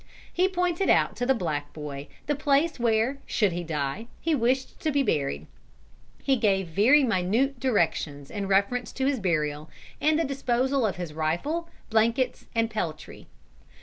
He pointed out to the black boy the place where, should he die, he wished to be buried. He gave very minute directions in reference to his burial and the disposal of his rifle, blankets, and peltry.